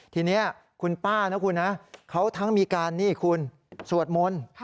ทีนี้คุณป้านะคุณนะเขาทั้งมีการนี่คุณสวดมนต์